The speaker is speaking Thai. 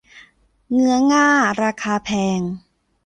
เงื้อง่าราคาแพง